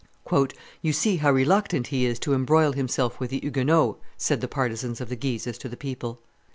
"You see how reluctant he is to embroil himself with the Huguenots," said the partisans of the Guises to the people.